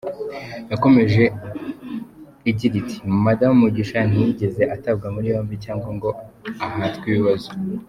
Yakomeje igira iti “Madamu Mugisha ntiyigeze atabwa muri yombi cyangwa ngo ahatwe ibibazo.